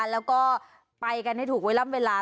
แล้วก็ไปกันให้ถูกไว้ล่ำเวลา